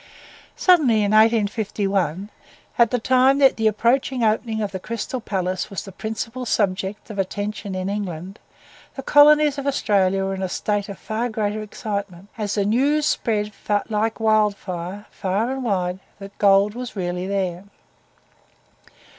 Suddenly, in 1851, at the time that the approaching opening of the Crystal Palace was the principal subject of attention in England, the colonies of Australia were in a state of far greater excitement, as the news spread like wild fire, far and wide, that gold was really there.